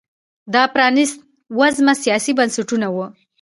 دا پرانیست وزمه سیاسي بنسټونه وو